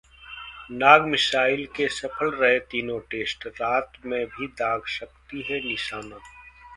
नाग missile के सफल रहे तीनों टेस्ट, रात में भी दाग सकती है निशाना